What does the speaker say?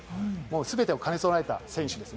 全てを兼ね備えた選手です。